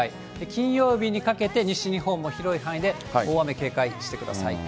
金曜日にかけて西日本も広い範囲で大雨警戒してください。